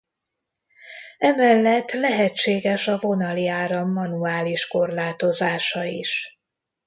Emellett lehetséges a vonali áram manuális korlátozása is.